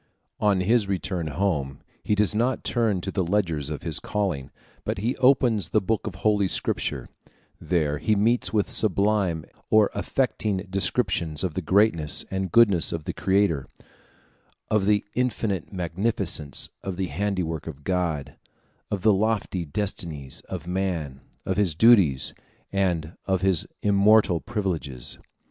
On his return home, he does not turn to the ledgers of his calling, but he opens the book of Holy Scripture; there he meets with sublime or affecting descriptions of the greatness and goodness of the Creator, of the infinite magnificence of the handiwork of God, of the lofty destinies of man, of his duties, and of his immortal privileges.